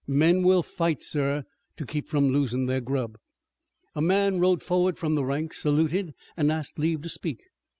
Men will fight, sir, to keep from losin' their grub." A man rode forward from the ranks, saluted and asked leave to speak.